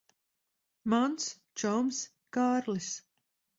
Mans čoms Kārlis.